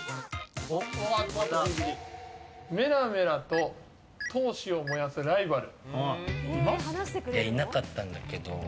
メラメラと闘志を燃やすライバル。